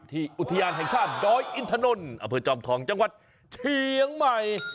ที่อุทยานแห่งชาติด้อยอินทนอเฟิชมของจังหวัดเชียงใหม่